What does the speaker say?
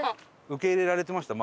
受け入れられてました？